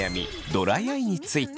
ドライアイについて。